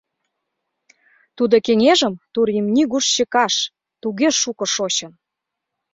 Тудо кеҥежым турим нигуш чыкаш — туге шуко шочын.